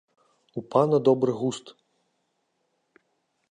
У пана добры густ.